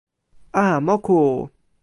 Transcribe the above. a! moku!